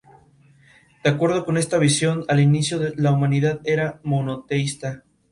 De acuerdo con esta visión, al inicio la humanidad era monoteísta.